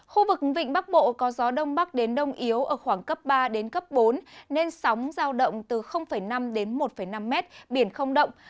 khu vực vịnh bắc bộ có gió đông bắc đến đông yếu ở khoảng cấp ba đến cấp bốn nên sóng giao động từ năm đến một năm mét biển không động